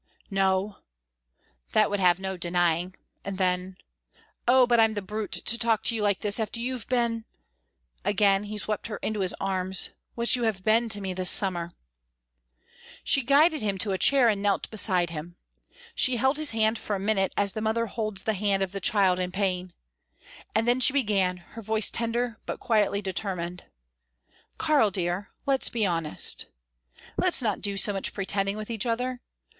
"No!" that would have no denying; and then: "Oh but I'm the brute to talk to you like this, after you've been" again he swept her into his arms "what you have been to me this summer." She guided him to a chair and knelt beside him. She held his hand for a minute as the mother holds the hand of the child in pain. And then she began, her voice tender, but quietly determined: "Karl dear let's be honest. Let's not do so much pretending with each other.